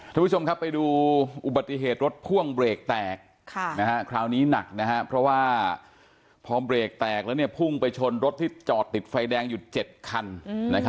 ทุกผู้ชมครับไปดูอุบัติเหตุรถพ่วงเบรกแตกคราวนี้หนักเพราะว่าพอเบรกแตกแล้วพุ่งไปชนรถที่จอดติดไฟแดงอยู่๗คัน